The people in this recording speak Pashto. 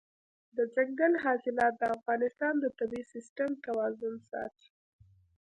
دځنګل حاصلات د افغانستان د طبعي سیسټم توازن ساتي.